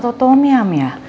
timbut atau tomiam ya